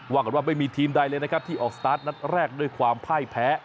ว่ากันว่าไม่มีทีมใดเลยนะครับที่ออกสตาร์ทนัดแรกด้วยความพ่ายแพ้